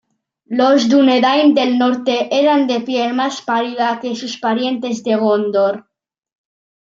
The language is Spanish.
Los dúnedain del Norte eran de piel más pálida que sus parientes de Gondor.